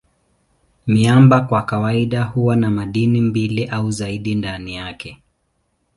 Miamba kwa kawaida huwa na madini mbili au zaidi ndani yake.